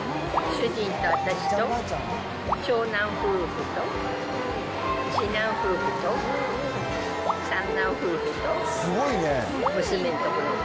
主人と私と長男夫婦と、次男夫婦と、三男夫婦と、娘のところ。